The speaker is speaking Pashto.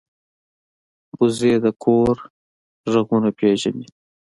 وزې د کور غږونه پېژني